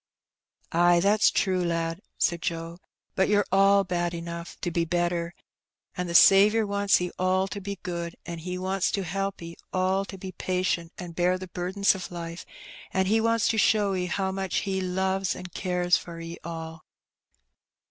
''Ay, that's true, lad," said Joe; ''but you're all bad enough to be better, an' the Saviour wants 'e all to be good, an' He wants to help 'e all to be patient an' bear the burden of life, an' He wants to show 'e how much He loves and an* cares for 'e all."